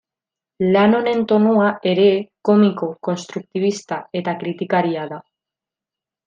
Lan honen tonua ere komiko, kostunbrista eta kritikaria da.